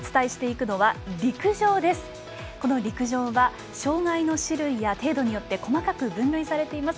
この陸上は障がいの種類や程度によって細かく分類されています。